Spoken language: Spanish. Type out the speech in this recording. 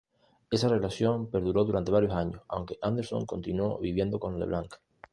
Esa relación perduró durante varios años, aunque Anderson continuó viviendo con Leblanc.